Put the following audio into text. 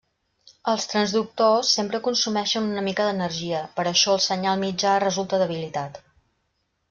Els transductors sempre consumeixen una mica d'energia, per això el senyal mitjà resulta debilitat.